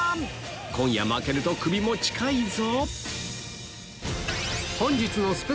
今夜負けるとクビも近いぞ